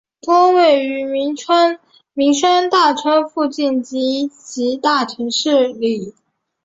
多位于名山大川附近以及大城市里。